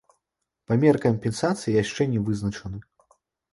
Памер кампенсацыі яшчэ не вызначаны.